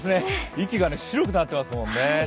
息が白くなってますもんね。